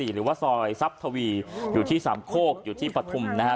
หรือว่าซอยทรัพย์ทวีอยู่ที่สามโคกอยู่ที่ปฐุมนะฮะ